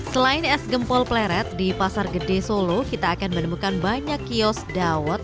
selain es gempol fleret di pasar gede solo kita akan menemukan banyak kiosk dawot